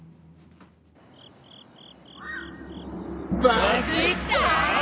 バズった！？